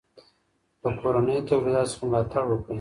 له کورنيو توليداتو څخه ملاتړ وکړئ.